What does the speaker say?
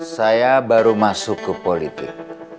saya baru masuk ke politik